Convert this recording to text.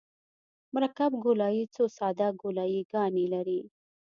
مرکب ګولایي څو ساده ګولایي ګانې لري